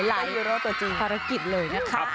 อยู่รอตัวจริงภารกิจเลยนะคะ